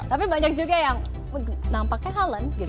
tapi banyak juga yang nampaknya helen gitu